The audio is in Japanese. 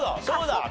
そうだ。